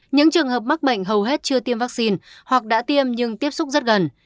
những trường hợp mắc bệnh hầu hết chưa tiêm vaccine hoặc đã tiêm nhưng tiếp xúc rất gần